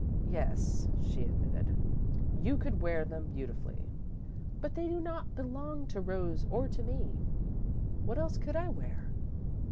"Yes," she admitted, "you could wear them beautifully, but they do not belong to Rose, or to me." "What else could I wear?"